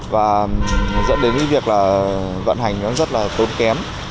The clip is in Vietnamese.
và dẫn đến với việc vận hành rất là tốn kém